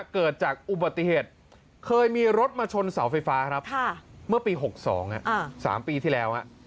เกิดจากอุบัติเหตุเคยมีรถมาชนเสาไฟฟ้าครับเมื่อปี๖๒๓ปีที่แล้ว